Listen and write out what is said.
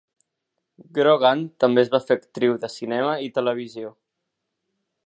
Grogan també es va fer actriu de cinema i televisió.